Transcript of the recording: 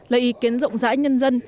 lấy ý kiến rộng rãi nhân dân